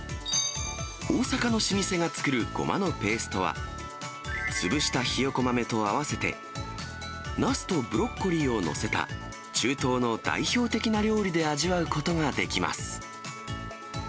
大阪の老舗が作るごまのペーストは、潰したひよこ豆と合わせて、なすとブロッコリーを載せた中東の代表的な料理で味わうことができます。